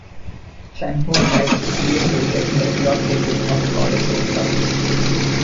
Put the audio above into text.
Chen Ho died two years later in New York City of colon cancer.